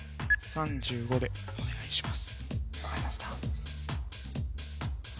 ３５でお願いします